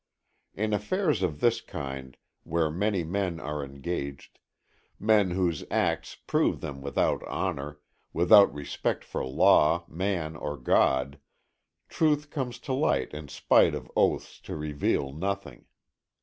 In affairs of this kind, where many men are engaged, men whose acts prove them without honor, without respect for law, man or God, truth comes to light in spite of oaths to reveal nothing.